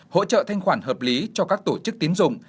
hỗ trợ thanh khoản hợp lý cho các tổ chức tín dụng